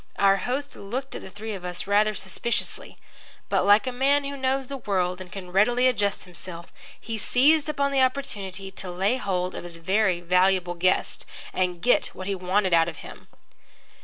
Our host looked at the three of us rather suspiciously. But, like a man who knows the world and can readily adjust himself, he seized upon the opportunity to lay hold of his very valuable guest and get what he wanted out of him.